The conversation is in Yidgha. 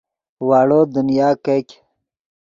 واڑو دنیا کیګ